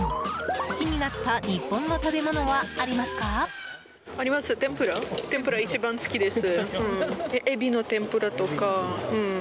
好きになった日本の食べ物はありますか？